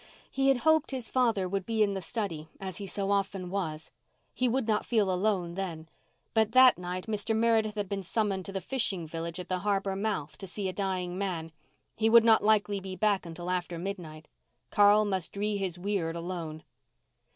He had hoped his father would be in the study as he so often was. He would not feel alone then. But that night Mr. Meredith had been summoned to the fishing village at the harbour mouth to see a dying man. He would not likely be back until after midnight. Carl must dree his weird alone.